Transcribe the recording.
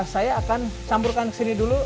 saya akan campurkan ke sini dulu